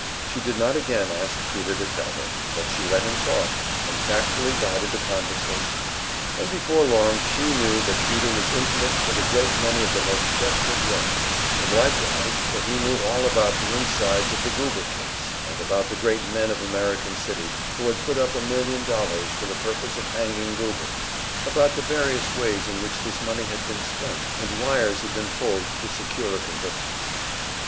She did not again ask Peter to tell her; but she let him talk, and tactfully guided the conversation, and before long she knew that Peter was intimate with a great many of the most desperate Reds, and likewise that he knew all about the insides of the Goober case, and about the great men of American City who had put up a million dollars for the purpose of hanging Goober, and about the various ways in which this money had been spent and wires had been pulled to secure a conviction.